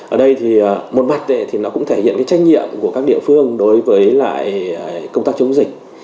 ở đây thì một mặt thì nó cũng thể hiện cái trách nhiệm của các địa phương đối với lại công tác chống dịch